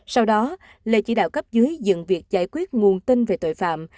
sau đó lê chỉ đạo cấp dưới dựng việc giải quyết nguồn tin về tội phạm